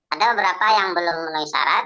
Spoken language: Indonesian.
ada beberapa yang belum memenuhi syarat